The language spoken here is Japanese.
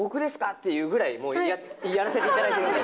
っていうぐらい、もうやらせていただいてるんで。